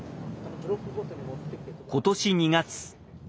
今年２月。